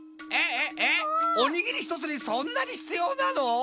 おにぎり１つにそんなに必要なの？